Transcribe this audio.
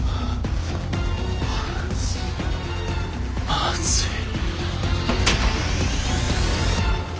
まずい。